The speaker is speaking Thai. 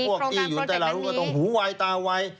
พวกตีอยู่ใต้หลายลูกอาหารตรงหูไวตาไว